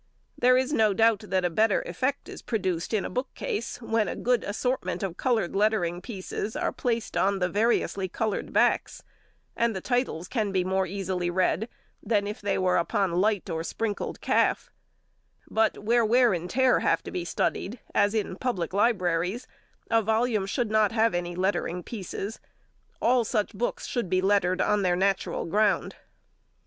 There is no doubt that a better effect is produced in a bookcase when a good assortment of coloured lettering pieces are placed on the variously coloured backs, and the titles can be more easily read than if they were upon light or sprinkled calf; but where wear and tear have to be studied, as in public libraries, a volume should not have any lettering pieces. All such books should be lettered on their natural ground.